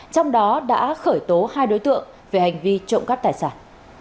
trong đó đã khởi tố hai đối tượng về hành vi trộm cắp tài sản